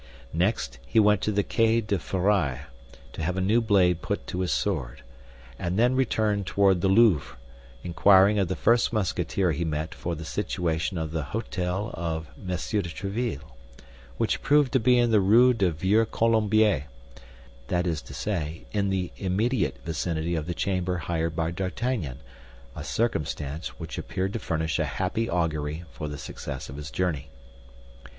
Next he went to the Quai de Feraille to have a new blade put to his sword, and then returned toward the Louvre, inquiring of the first Musketeer he met for the situation of the hôtel of M. de Tréville, which proved to be in the Rue du Vieux Colombier; that is to say, in the immediate vicinity of the chamber hired by D'Artagnan—a circumstance which appeared to furnish a happy augury for the success of his journey.